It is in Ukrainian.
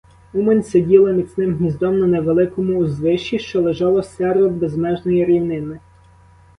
Умань сиділа міцним гніздом на невеликому узвишші, що лежало серед безмежної рівнини.